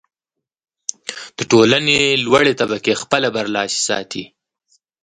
د ټولنې لوړې طبقې خپله برلاسي ساتي.